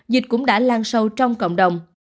dịch cũng đã lan sâu trong cộng đồng